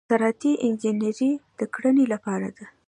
زراعتي انجنیری د کرنې لپاره ده.